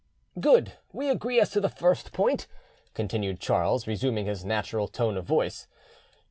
"Good: we agree as to the first point," continued Charles, resuming his natural tone of voice.